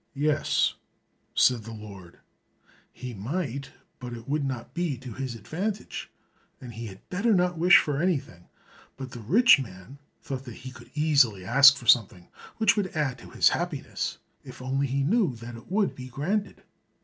"Yes," said the Lord, he might, but it would not be to his advantage, and he had better not wish for anything; but the rich man thought that he could easily ask for something which would add to his happiness, if he only knew that it would be granted.